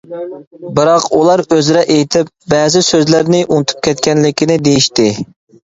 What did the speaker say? بىراق، ئۇلار ئۆزرە ئېيتىپ، بەزى سۆزلەرنى ئۇنتۇپ كەتكەنلىكىنى دېيىشتى.